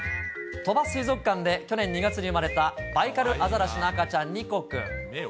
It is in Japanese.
鳥羽水族館で去年２月に生まれたバイカルアザラシの赤ちゃん、ニコくん。